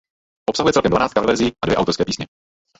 Obsahuje celkem dvanáct coververzí a dvě autorské písně.